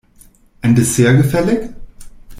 Ein Dessert gefällig?